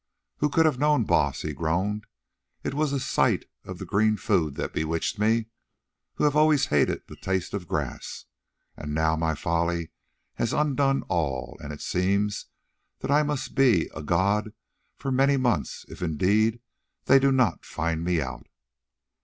"Who could have known, Baas?" he groaned. "It was the sight of the green food that bewitched me, who have always hated the taste of grass. And now my folly has undone all, and it seems that I must be a god for many months, if, indeed, they do not find me out."